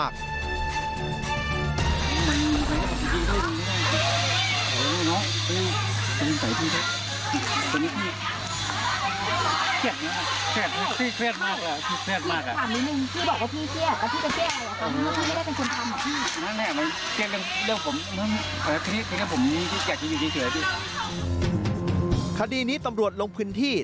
คดีนี้ตำรวจลงพื้นที่